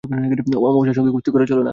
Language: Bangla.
অমাবস্যার সঙ্গে কুস্তি করা চলে না।